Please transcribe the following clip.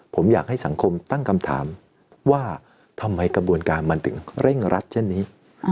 ผมอยากให้สังคมตั้งคำถามว่าทำไมกระบวนการมันถึงเร่งรัดเช่นนี้